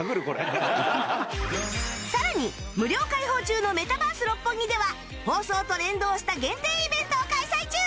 さらに無料開放中のメタバース六本木では放送と連動した限定イベントを開催中！